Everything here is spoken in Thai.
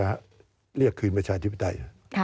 การเลือกตั้งครั้งนี้แน่